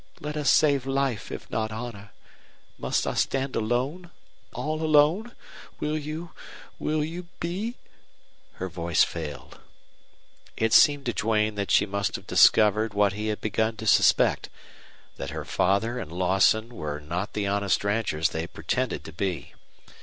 Let us save life if not honor. Must I stand alone all alone? Will you will you be " Her voice failed. It seemed to Duane that she must have discovered what he had begun to suspect that her father and Lawson were not the honest ranchers they pretended to be.